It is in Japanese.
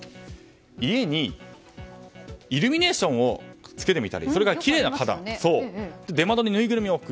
家にイルミネーションをつけてみたりそれから、きれいな花壇出窓にぬいぐるみを置く。